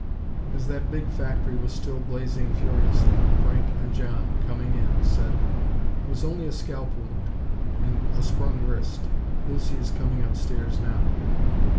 As that big factory was still blazing furiously, Frank and John, coming in, said: "It was only a scalp wound, and a sprung wrist. Lucy is coming upstairs, now."